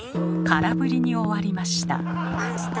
空振りに終わりました。